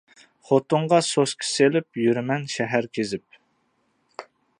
خوتۇنغا سوسكا سېلىپ، يۈرىمەن شەھەر كېزىپ.